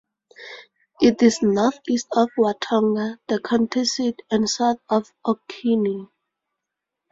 It is northeast of Watonga, the county seat, and south of Okeene.